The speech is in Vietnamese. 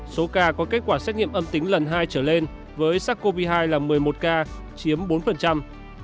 số ca có kết quả xét nghiệm âm tính lần hai trở lên với sắc covid một mươi chín là một mươi một ca chiếm bốn